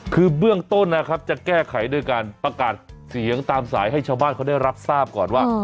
คือเบื้องต้นนะครับจะแก้ไขด้วยการประกาศเสียงตามสายให้ชาวบ้านเขาได้รับทราบก่อนว่า